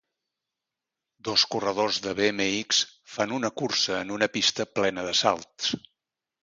Dos corredors de BMX fan una cursa en una pista plena de salts.